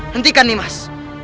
hentikan nih mas